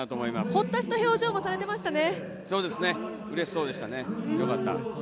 ホッとした表情もされてましたね。